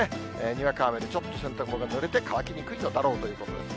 にわか雨でちょっと洗濯物、ぬれて乾きにくいだろうということです。